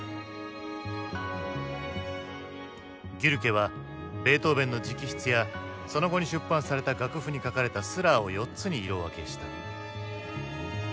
ギュルケはベートーヴェンの直筆やその後に出版された楽譜に書かれたスラーを４つに色分けした。